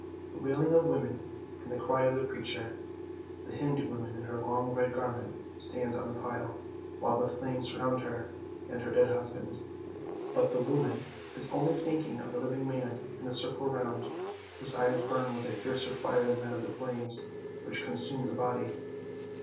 The wailing of women and the cry of the preacher. The Hindu woman in her long red garment stands on the pile, while the flames surround her and her dead husband. But the woman is only thinking of the living man in the circle round, whose eyes burn with a fiercer fire than that of the flames which consume the body.